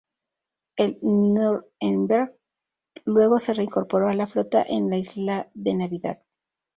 El "Nürnberg" luego se reincorporó a la flota en la Isla de Navidad.